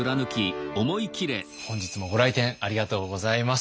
本日もご来店ありがとうございます。